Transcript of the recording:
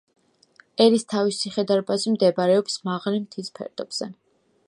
ერისთავის ციხე-დარბაზი მდებარეობს მაღალი მთის ფერდობზე.